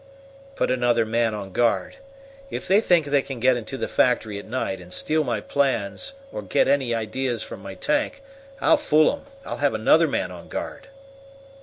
"Put another man on guard. If they think they can get into the factory at night, and steal my plans, or get ideas from my tank, I'll fool 'em. I'll have another man on guard."